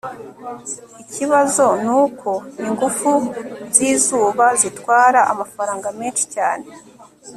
Ikibazo nuko ingufu zizuba zitwara amafaranga menshi cyane